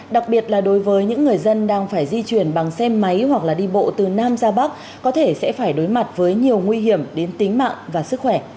đặc biệt là đối với những người dân đang phải di chuyển bằng xe máy hoặc là đi bộ từ nam ra bắc có thể sẽ phải đối mặt với nhiều nguy hiểm đến tính mạng và sức khỏe